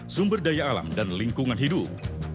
sumber daya alam dan lingkungan hidup